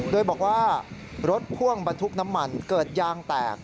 โดยบอกว่ารถพ่วงบรรทุกน้ำมันเกิดยางแตก